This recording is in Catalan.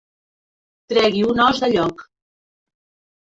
Tregui un os de lloc.